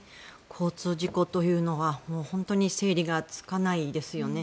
交通事故というのは本当に整理がつかないですよね。